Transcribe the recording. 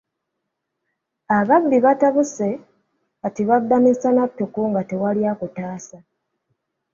Ababbi batabuse kati babba misana ttuku ate nga tewali akutaasa.